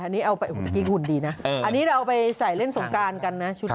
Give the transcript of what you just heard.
อันนี้เอาไปเมื่อกี้หุ่นดีนะอันนี้เราเอาไปใส่เล่นสงการกันนะชุดนี้